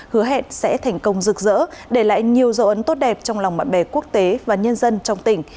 hứa hẹn sẽ thành công rực rỡ để lại nhiều dấu ấn tốt đẹp trong lòng bạn bè quốc tế và nhân dân trong tỉnh